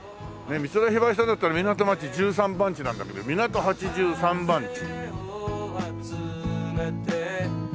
美空ひばりさんだったら『港町十三番地』なんだけど港八十三番地。